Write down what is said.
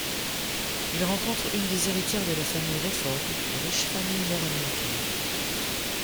Il rencontre une des héritières de la famille Rayford, riche famille Nord-Américaine.